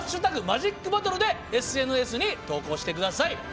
「＃マジックバトル」でＳＮＳに投稿してください。